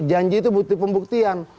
janji itu butir pembuktian